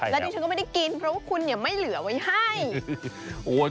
แล้วดิฉันก็ไม่ได้กินเพราะว่าคุณเนี่ยไม่เหลือไว้ให้